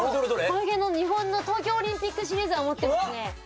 この辺の日本の東京オリンピックシリーズは持ってますね。